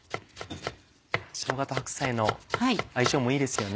しょうがと白菜の相性もいいですよね。